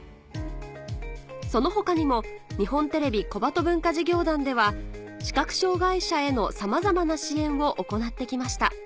その他にも日本テレビ小鳩文化事業団では視覚障がい者へのさまざまな支援を行って来ました